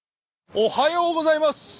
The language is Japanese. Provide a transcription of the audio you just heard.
おはようございます！